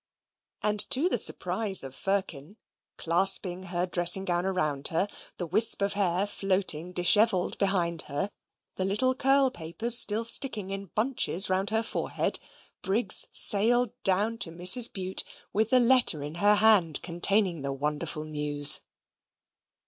And to the surprise of Firkin, clasping her dressing gown around her, the wisp of hair floating dishevelled behind her, the little curl papers still sticking in bunches round her forehead, Briggs sailed down to Mrs. Bute with the letter in her hand containing the wonderful news.